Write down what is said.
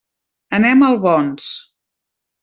Anem a Albons.